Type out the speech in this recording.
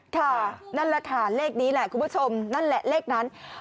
ค่ะนั่นแหละค่ะเลขนี้แหละคุณผู้ชมนั่นแหละเลขนั้น